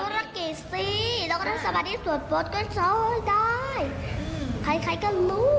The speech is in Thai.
แล้วก็จะทำสมัยที่สวดบทเขาจะสาว้อยด้ายภัยใครก็รู้